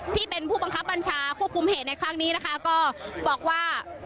ที่เป็นผู้บังคับบัญชาควบคุมเหตุในครั้งนี้นะคะก็บอกว่า